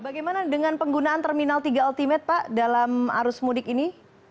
bagaimana dengan penggunaan terminal tiga ultimate pak dalam arus mudik ini